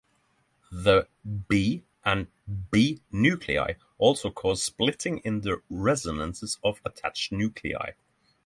The B and B nuclei also cause splitting in the resonances of attached nuclei.